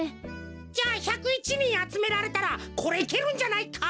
じゃ１０１にんあつめられたらこれいけるんじゃないか？